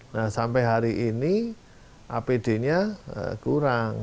nah sampai hari ini apd nya kurang